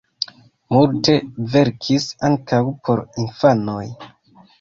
Multe verkis ankaŭ por infanoj.